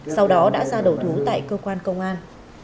sau đó đã ra đầu thú tại cơ quan công an